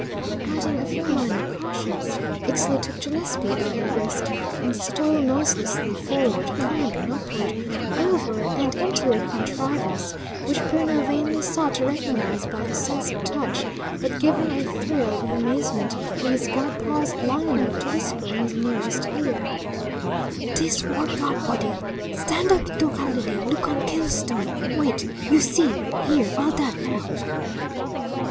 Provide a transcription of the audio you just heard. Adding a few minor cautions, Ixtli took Gillespie by a wrist, and stole noiselessly forward, climbing upward, over and into a contrivance which Bruno vainly sought to recognise by the sense of touch, but giving a thrill of amazement when his guide paused long enough to whisper in his nearest ear: "Dis war god body. Stand up in teocalli, look on kill stone. Wait; you see, hear, all dat, now!"